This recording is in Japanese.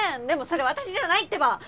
でもそれ私じゃないってば！